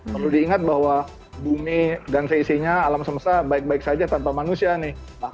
perlu diingat bahwa bumi dan seisinya alam semesta baik baik saja tanpa manusia nih